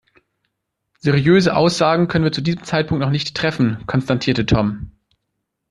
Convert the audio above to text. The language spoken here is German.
Seriöse Aussagen können wir zu diesem Zeitpunkt noch nicht treffen, konstatierte Tom.